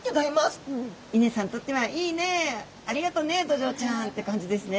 ありがとうねドジョウちゃんって感じですね